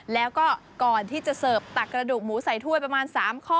แล้วก็ก่อนที่จะเสิร์ฟตักกระดูกหมูใส่ถ้วยประมาณ๓ข้อ